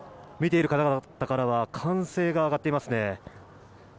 見ている方々からは歓声が上がっていますね。